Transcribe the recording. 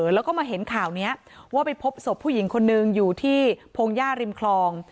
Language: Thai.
แล้วก็มาเห็นข่าวนี้ว่าไปพบศพผู้หญิงคนนึงอยู่ที่พงหญ้าริมคลอง